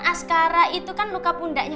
askara itu kan luka pundaknya